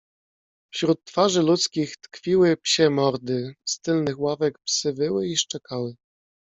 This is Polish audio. "Wśród twarzy ludzkich tkwiły psie mordy, z tylnych ławek psy wyły i szczekały."